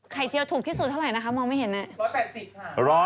เจียวถูกที่สุดเท่าไหร่นะคะมองไม่เห็นน่ะ